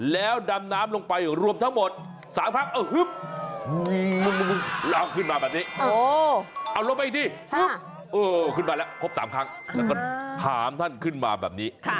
แล้วดำน้ำลงไปรวมทั้งหมด๓ครั้งเอื้อหืบแล้วขึ้นมาแบบนี้